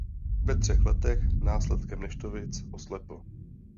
Ve třech letech následkem neštovic oslepl.